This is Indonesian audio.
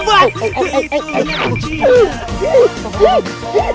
konanta konanta konanta